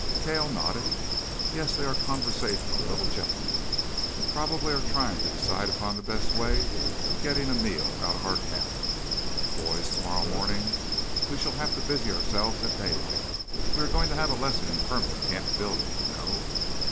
Cale nodded. "Yes; they are conversational little gentlemen. Probably are trying to decide upon the best way of getting a meal out of our camp. Boys, tomorrow morning we shall have to busy ourselves at daylight. We are going to have a lesson in permanent camp building, you know."